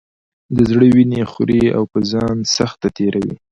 د زړه وینې خوري او په ځان سخته تېروي.